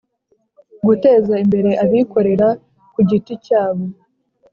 guteza imbere abikorera ku giti cyabo,